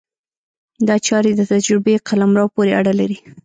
دا چارې د تجربې قلمرو پورې اړه لري.